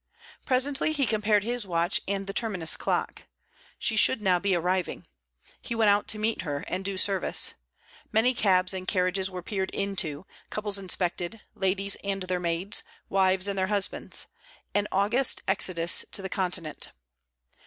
Presently he compared his watch and the terminus clock. She should now be arriving. He went out to meet her and do service. Many cabs and carriages were peered into, couples inspected, ladies and their maids, wives and their husbands an August exodus to the Continent.